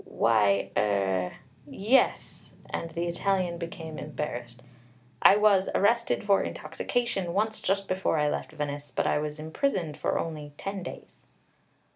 "Why, er, yes," and the Italian became embarrassed. "I was arrested for intoxication once just before I left Venice; but I was imprisoned for only ten days."